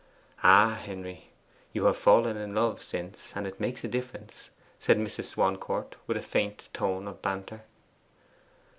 'Ah, Henry, you have fallen in love since and it makes a difference,' said Mrs. Swancourt with a faint tone of banter.